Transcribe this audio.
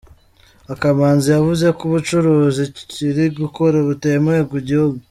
Akamanzi yavuze ko ubucuruzi kiri gukora butemewe mu gihugu.